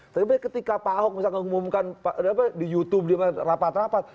tapi ketika pak ahok misalkan mengumumkan di youtube rapat rapat